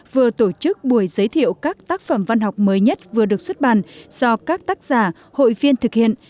vừa tổ chức buổi giới thiệu các tác phẩm văn học mới nhất vừa được xuất bản do các tác giả hội viên thực hiện